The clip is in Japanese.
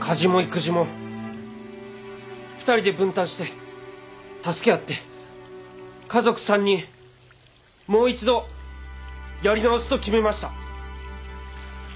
家事も育児も２人で分担して助け合って家族３人もう一度やり直すと決めました。